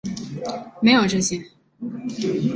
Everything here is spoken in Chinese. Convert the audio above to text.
没有这些